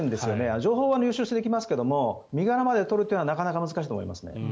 情報は入手できますが身柄まで取るというのはなかなか難しいと思います。